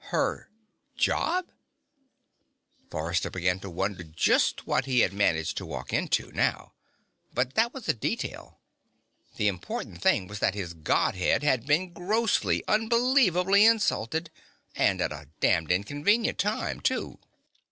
Her job? Forrester began to wonder just what he had managed to walk into now. But that was a detail. The important thing was that his Godhood had been grossly, unbelievably insulted and at a damned inconvenient time, too!